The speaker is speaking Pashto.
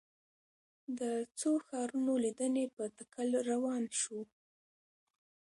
د څو ښارونو لیدنې په تکل روان شوو.